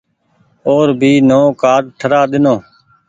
او ر ڀي نئو ڪآرڊ ٺرآ ۮينو۔